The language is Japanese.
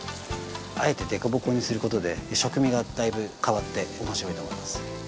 あえてでこぼこにする事で食味がだいぶ変わって面白いと思います。